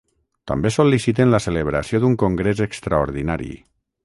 També sol·liciten la celebració d'un congrés extraordinari.